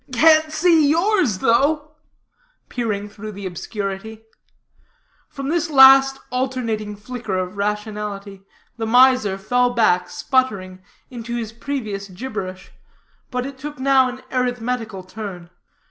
"Can't see yours, though," peering through the obscurity. From this last alternating flicker of rationality, the miser fell back, sputtering, into his previous gibberish, but it took now an arithmetical turn.